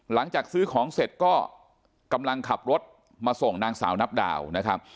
หลังจากซื้อของเสร็จก็กำลังขับรถมาส่งนางสาวนับดาวนะครับ